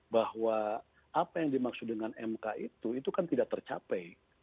bahwa apa yang dimaksud dengan mk itu itu kan tidak tercapai